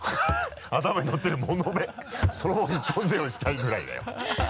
頭にのってる「もの」でそのまま一本背負いしたいぐらいだよ。